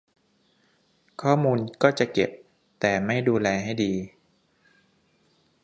ข้อมูลก็จะเก็บ แต่ไม่ดูแลให้ดี